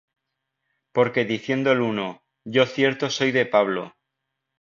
Porque diciendo el uno: Yo cierto soy de Pablo;